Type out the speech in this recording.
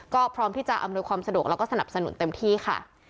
ก็พร้อมที่จะอำนวยความสะดวกแล้วก็สนับสนุนเต็มที่ค่ะ